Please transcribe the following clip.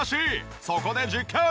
そこで実験！